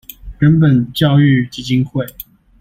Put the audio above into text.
人本教育基金會